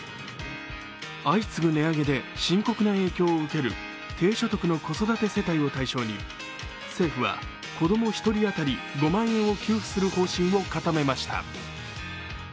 相次ぐ値上げで深刻な影響を受ける低所得の子育て世帯を対象に政府は子供１人当たり５万円を給付する方針を固めました。